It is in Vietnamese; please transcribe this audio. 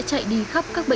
tôi được đọc báo